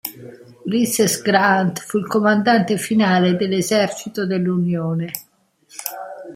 Ulysses Grant fu il comandante finale dell'Esercito dell'Unione.